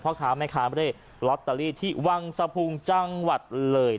เพราะค้าไม่ค้าไม่ได้ล็อตเตอรี่ที่วังสภูมิจังหวัดเลย